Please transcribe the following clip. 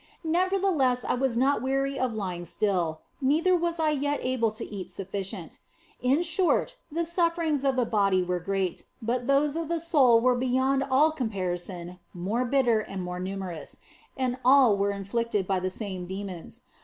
Nevertheless was I not weary of lying still, neither was I yet able to eat sufficient. In short, the sufferings of the body were great, but those of the soul were beyond all comparison more bitter and more numerous, and all were inflicted by the same demons.